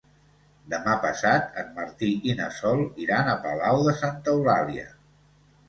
Demà passat en Martí i na Sol iran a Palau de Santa Eulàlia.